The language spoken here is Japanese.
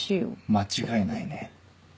間違いないね。